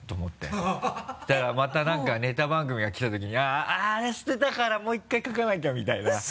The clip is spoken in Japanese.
そしたらまたネタ番組が来た時にあぁあれ捨てたからもう１回書かなきゃみたいな。